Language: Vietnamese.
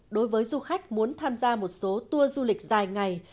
đối với du khách muốn tham gia một số tour du lịch dài ngày